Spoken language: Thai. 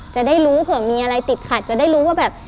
จะได้รู้เผื่อมีอะไรติดขัดจะได้รู้ว่าแบบ